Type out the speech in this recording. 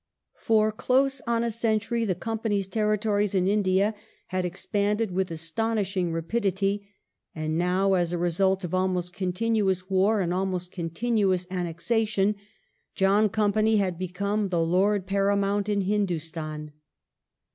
For close on a century the Company's territories in India had expanded with astonishing rapidity, and now as a result of almost continuous war and almost continuous annexation John Company had become the Lord Paramount in Hindustan.